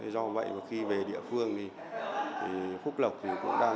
do vậy khi về địa phương thì phúc lộc cũng đang